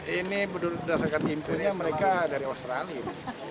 ini berdasarkan impirnya mereka dari australia